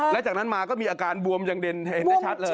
และจากนั้นมาก็มีอาการบวมอย่างเด่นเห็นได้ชัดเลย